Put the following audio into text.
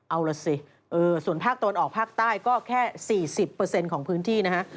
เอาล่ะสิส่วนภาคตะวันออกภาคใต้ก็แค่๔๐ของพื้นที่นะฮะ